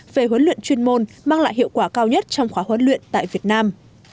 về huấn luyện chuyên môn mang lại hiệu quả cao nhất trong khóa huấn luyện tại việt nam